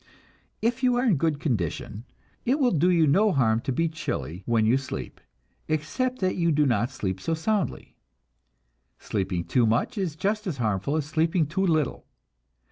If you are in good condition, it will do you no harm to be chilly when you sleep, except that you do not sleep so soundly. Sleeping too much is just as harmful as sleeping too little.